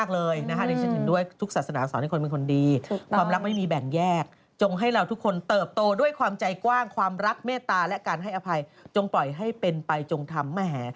ขอบคุณที่มีเมตตาและการให้อภัยจงปล่อยให้เป็นไปจงทำมาแห่